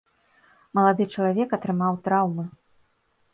Малады чалавек атрымаў траўмы.